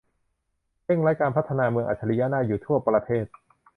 เร่งรัดการพัฒนาเมืองอัจฉริยะน่าอยู่ทั่วประเทศ